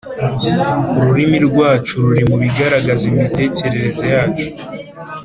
ururimi rwacu ruri mu bigaragaza imitekerereze yacu